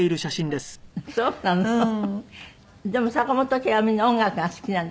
でも坂本家はみんな音楽が好きなんですってね？